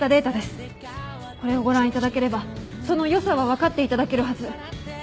これをご覧いただければその良さは分かっていただけるはず。